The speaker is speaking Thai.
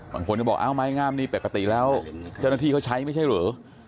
บางคนก็บอกอ้าวไม้งามนี่ปกติแล้วเจ้าหน้าที่เขาใช้ไม่ใช่หรือ